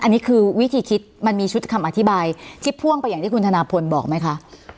อันนี้คือวิธีคิดมันมีชุดคำอธิบายที่พ่วงไปอย่างที่คุณธนาพลบอกไหมคะ